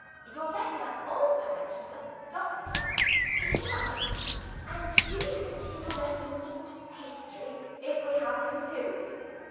Your letter also mentions a doctor. Is he nice? and do you think he will let me eat pastry, if we have him too?